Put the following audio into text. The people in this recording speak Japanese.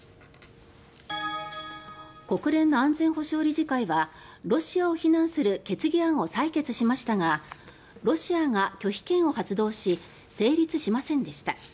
国連の安全保障理事会はロシアを非難する決議案を採決しましたがロシアが拒否権を発動し成立しませんでした。